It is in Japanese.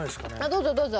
どうぞどうぞ。